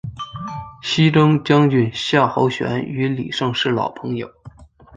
征西将军夏侯玄与李胜是老朋友。